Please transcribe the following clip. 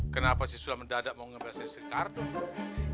kenapa si sulam mendadak mau ngebebasin si kardun